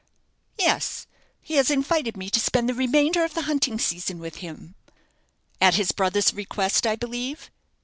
"Yes; he has invited me to spend the remainder of the hunting season with him?" "At his brother's request, I believe?"